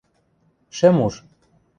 – Шӹм уж.